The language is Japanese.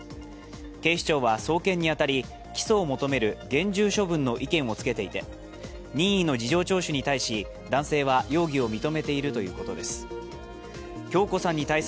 警視庁は送検に当たり、起訴を求める厳重処分の意見をつけていて任意の事情聴取に対し男性は容疑を認めているということです。